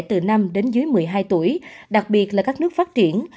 từ năm đến dưới một mươi hai tuổi đặc biệt là các nước phát triển